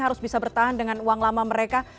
harus bisa bertahan dengan uang lama mereka